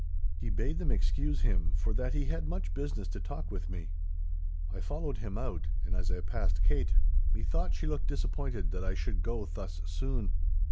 He bade them excuse him, for that he had much business to talk with me. I followed him out, and as I passed Kate, methought she looked disappointed that I should go thus soon.